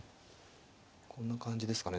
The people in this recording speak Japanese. こんな感じですかね。